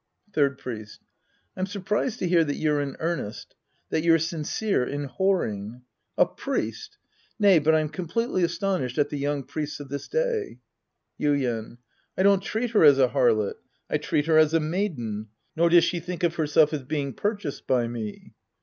Third Priest. I'm surprised to hear that you're in earnest. That you're sincere in whoring. A priest \ Nay, but I'm completely astonished at the young priests of this day. Yuien. I don't treat her as a harlot. I treat her as a maiden. Nor does she think of herself as being; purchased by me.